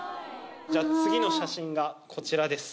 じゃあ次の写真がこちらです